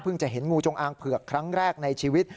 จะเห็นงูจงอางเผือกครั้งแรกในชีวิต